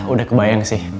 udah kebayang sih